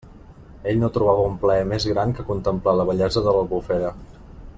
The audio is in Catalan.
Ell no trobava un plaer més gran que contemplar la bellesa de l'Albufera.